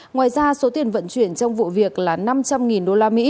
ngoài ra số tiền vận chuyển trong vụ việc là năm trăm linh usd